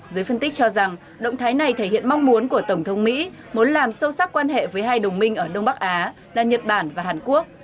giới phân tích cho rằng động thái này thể hiện mong muốn của tổng thống mỹ muốn làm sâu sắc quan hệ với hai đồng minh ở đông bắc á là nhật bản và hàn quốc